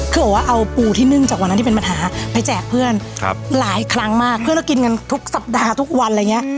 คือบอกว่าเอาปูที่นึ่งจากวันนั้นที่เป็นปัญหาไปแจกเพื่อนหลายครั้งมากเพื่อนก็กินกันทุกสัปดาห์ทุกวันอะไรอย่างนี้